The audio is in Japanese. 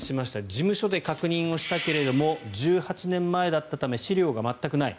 事務所で確認をしたけれども１８年前だったため資料が全くない。